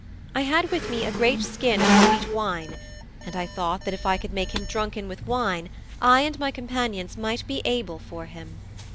I had with me a great skin of sweet wine, and I thought that if I could make him drunken with wine I and my companions might be able for him.